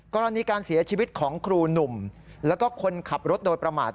กรณีการเสียชีวิตของครูหนุ่มแล้วก็คนขับรถโดยประมาท